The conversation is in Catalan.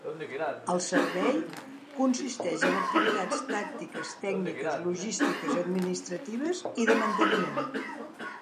El servei consisteix en activitats tàctiques, tècniques, logístiques, administratives i de manteniment.